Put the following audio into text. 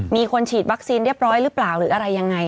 มีคนฉีดวัคซีนเรียบร้อยหรือเปล่าหรืออะไรยังไง